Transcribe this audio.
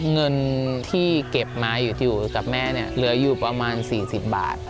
เงินที่เก็บมาอยู่กับแม่เนี่ยเหลืออยู่ประมาณ๔๐บาท